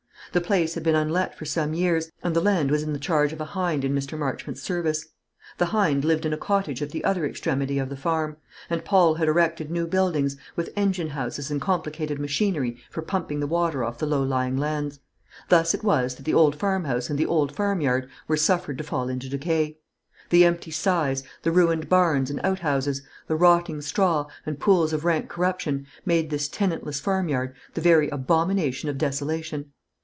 The place had been unlet for some years; and the land was in the charge of a hind in Mr. Marchmont's service. The hind lived in a cottage at the other extremity of the farm; and Paul had erected new buildings, with engine houses and complicated machinery for pumping the water off the low lying lands. Thus it was that the old farmhouse and the old farmyard were suffered to fall into decay. The empty sties, the ruined barns and outhouses, the rotting straw, and pools of rank corruption, made this tenantless farmyard the very abomination of desolation.